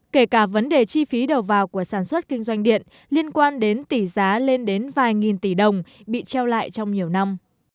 kể cả vấn đề chi phí đầu vào của sản xuất kinh doanh điện liên quan đến tỷ giá lên đến vài nghìn tỷ đồng bị treo lại trong nhiều năm